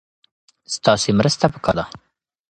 ستاسې مرسته پکار ده.